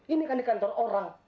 ini kan di kantor orang